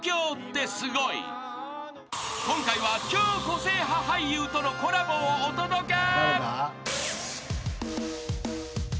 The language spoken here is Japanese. ［今回は超個性派俳優とのコラボをお届け］